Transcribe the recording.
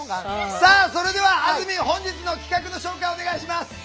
さあそれではあずみん本日の企画の紹介お願いします。